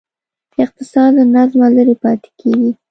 اقتصاد له نظمه لرې پاتې کېږي.